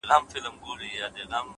خداى نه چي زه خواست كوم نو دغـــه وي!